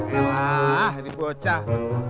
elah ini bocah